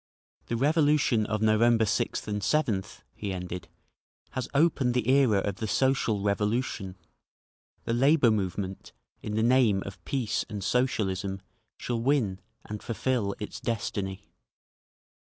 "The revolution of November 6th and 7th," he ended, "has opened the era of the Social Revolution…. The labour movement, in the name of peace and Socialism, shall win, and fulfil its destiny…."